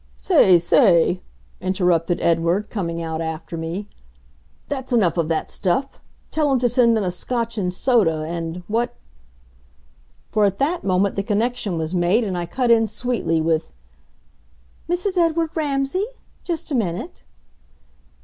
"Say, say," interrupted Edward, coming out after me. "That's enough of that stuff. Tell him to send in a Scotch and soda and what " For at that moment the connection was made and I cut in sweetly with: "Mrs. Edward Ramsay? just a minute."